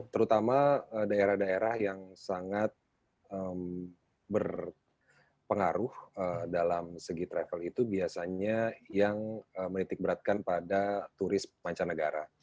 terutama daerah daerah yang sangat berpengaruh dalam segi travel itu biasanya yang menitik beratkan pada turis mancanegara